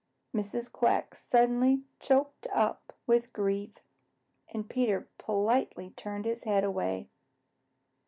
Mrs. Quack suddenly choked up with grief, and Peter Rabbit politely turned his head away.